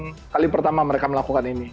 ini bukan kali pertama mereka melakukan ini